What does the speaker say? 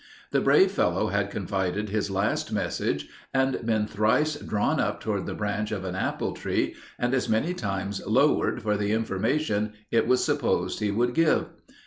The brave fellow had confided his last message and been thrice drawn up toward the branch of an apple tree, and as many times lowered for the information it was supposed he would give.